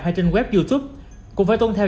hay trên web youtube cũng phải tuân theo